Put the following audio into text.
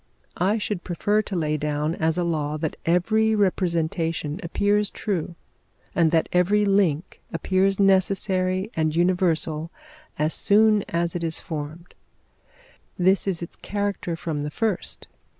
I should prefer to lay down as a law that every representation appears true, and that every link appears necessary and universal as soon as it is formed. This is its character from the first.